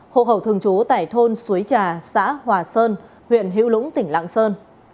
hộ khẩu thường chú tại thôn suối trà xã hòa sơn huyện hiếu lũng tỉnh lạng sơn